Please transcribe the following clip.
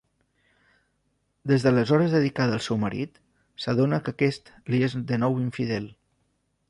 Des d'aleshores dedicada al seu marit, s'adona que aquest li és de nou infidel.